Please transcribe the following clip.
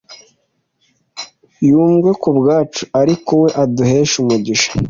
Yavumwe kubwacu ariko we aduhesha umugisha